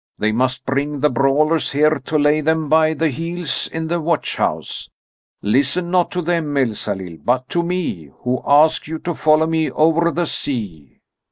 "They must bring the brawlers here to lay them by the heels in the watch house. Listen not to them, Elsalill, but to me, who ask you to follow me over the sea!"